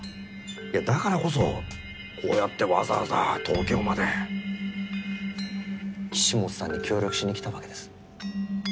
いやだからこそこうやってわざわざ東京まで岸本さんに協力しにきたわけです。